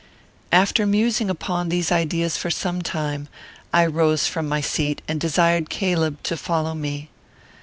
After musing upon these ideas for some time, I rose from my seat, and desired Caleb to follow me.